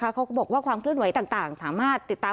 เขาก็บอกว่าความเคลื่อนไหวต่างสามารถติดตาม